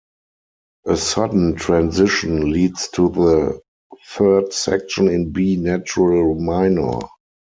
A sudden transition leads to the third section in B natural minor.